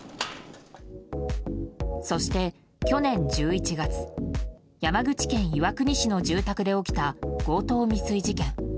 そして、去年１１月山口県岩国市の住宅で起きた強盗未遂事件。